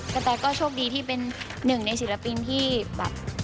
กระแตก็โชคดีที่เป็นหนึ่งในศิลปินที่แบบ